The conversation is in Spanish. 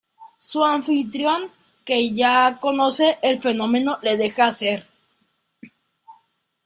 Su anfitrión, que ya conoce el fenómeno, le deja hacer.